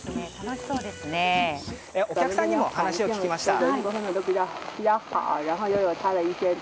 お客さんにも話を聞きました。